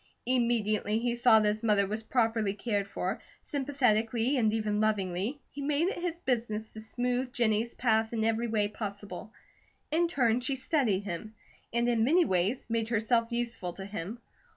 Immediately he saw that his mother was properly cared for, sympathetically and even lovingly, he made it his business to smooth Jennie's path in every way possible. In turn she studied him, and in many ways made herself useful to him.